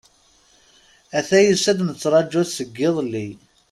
Ata yusa-d, nettṛaǧu-t seg iḍelli.